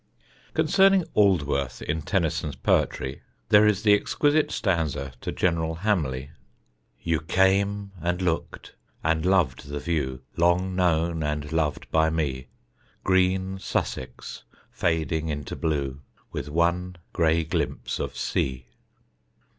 Concerning Aldworth in Tennyson's poetry (see page 12), there is the exquisite stanza to General Hamley: "You came, and looked, and loved the view Long known and loved by me, Green Sussex fading into blue With one gray glimpse of sea."